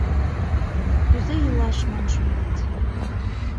Кузе илаш, ман шонат.